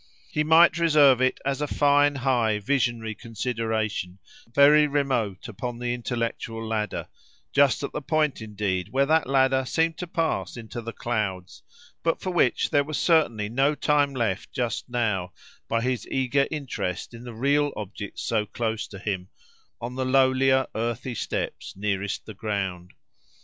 He might reserve it as a fine, high, visionary consideration, very remote upon the intellectual ladder, just at the point, indeed, where that ladder seemed to pass into the clouds, but for which there was certainly no time left just now by his eager interest in the real objects so close to him, on the lowlier earthy steps nearest the ground.